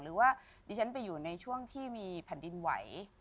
หรือว่าดิฉันไปอยู่ในช่วงที่มีแผ่นดินไหว